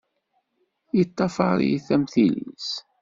Yeṭṭafaṛ-it am tili-s!